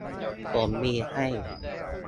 ผมมีให้